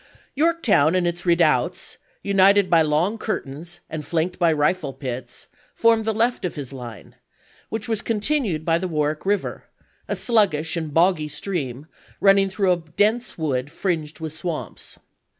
Yorktown and its redoubts, united by long curtains and flanked by rifle pits, formed the left of his line, which was continued by the Warwick River, a sluggish and boggy stream running through a dense wood fringed with swamps.